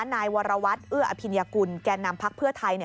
นายวรวัตรเอื้ออภิญกุลแก่นำพักเพื่อไทย